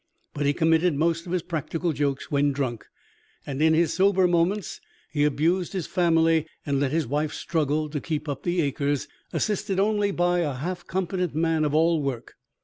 But he committed most of his practical jokes when drunk, and in his sober moments he abused his family and let his wife struggle to keep up the acres, assisted only by a half competent man of all work.